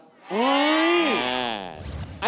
มีทรัพย์